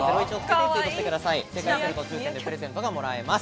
正解すると抽選でプレゼントがもらえます。